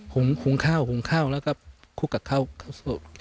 หุงข้าวแล้วก็คลุกกับข้าวสวย